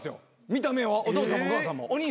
見た目はお父さんもお母さんもお兄さんも。